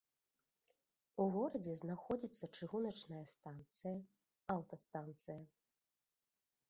У горадзе знаходзіцца чыгуначная станцыя, аўтастанцыя.